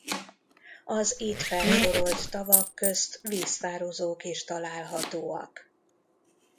Az itt felsorolt tavak közt víztározók is találhatóak.